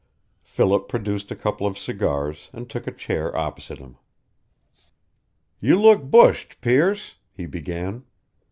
Philip produced a couple of cigars and took a chair opposite him. "You look bushed, Pearce," he began.